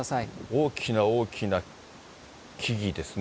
大きな大きな木々ですね。